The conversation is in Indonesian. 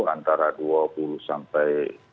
antara dua puluh sampai